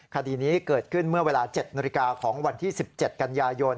คดีนี้เกิดขึ้นเมื่อเวลา๗นาฬิกาของวันที่๑๗กันยายน